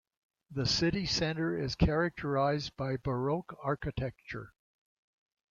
The city centre is characterised by Baroque architecture.